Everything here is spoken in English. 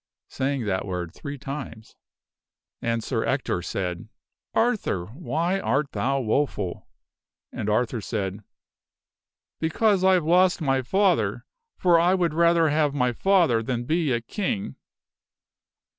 saying that word three times. And Sir Ector said, "Arthur, why art thou woful?" And Arthur said, " Because I have lost my father, for I would rather have my father than be a King!